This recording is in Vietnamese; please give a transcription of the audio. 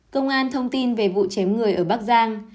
công an thông tin về vụ chém người ở bắc giang